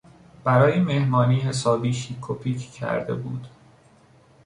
برای مهمانی حسابی شیک و پیک کرده بود.